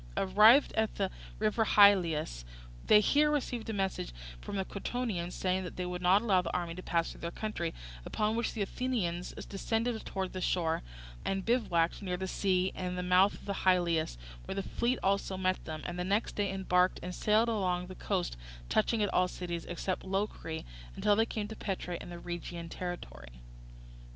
Arrived at the river Hylias, they here received a message from the Crotonians, saying that they would not allow the army to pass through their country; upon which the Athenians descended towards the shore, and bivouacked near the sea and the mouth of the Hylias, where the fleet also met them, and the next day embarked and sailed along the coast touching at all the cities except Locri, until they came to Petra in the Rhegian territory.